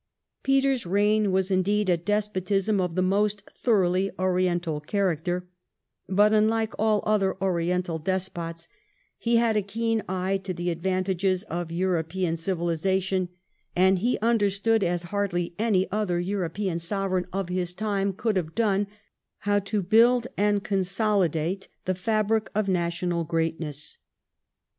Peter's reign was indeed a despotism of the most thoroughly Oriental character, but unlike all other Oriental despots he had a keen eye to the advantages of European civilisation and he under stood, as hardly any other European Sovereign of his time could have done, how to build and consolidate the fabric of national greatness.